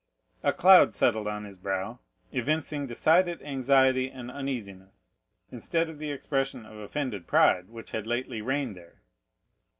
A cloud settled on his brow, evincing decided anxiety and uneasiness, instead of the expression of offended pride which had lately reigned there.